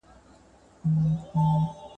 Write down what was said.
د توحيد اساس په تفکر او تدبر ولاړ دی.